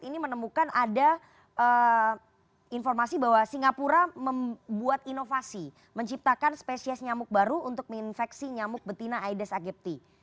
nah di dalam melakukan riset ini menemukan ada informasi bahwa singapura membuat inovasi menciptakan spesies nyamuk baru untuk menginfeksi nyamuk betina aedes aegypti